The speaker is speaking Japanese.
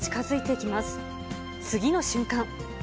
次の瞬間。